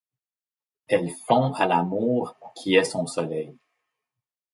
Elle fond à l’amour qui est son soleil.